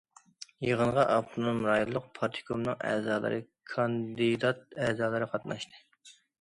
يىغىنغا ئاپتونوم رايونلۇق پارتكومنىڭ ئەزالىرى، كاندىدات ئەزالىرى قاتناشتى.